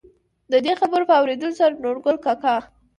د دې خبرو په اورېدلو سره نورګل کاکا،